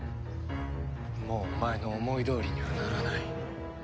もうお前の思いどおりにはならない。